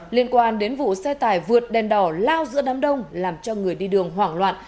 liên quan đến vụ xe tải vượt đèn đỏ lao giữa đám đông làm cho người đi đường hoảng loạn